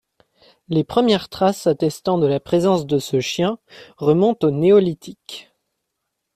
Les premières traces attestant de la présence de ce chien remontent au néolithique.